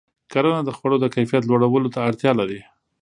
کرنه د خوړو د کیفیت لوړولو ته اړتیا لري.